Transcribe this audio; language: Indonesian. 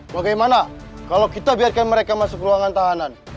bagaimana kalau kita biarkan mereka masuk ruangan tahanan